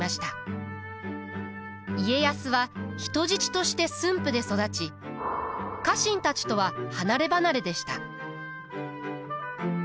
家康は人質として駿府で育ち家臣たちとは離れ離れでした。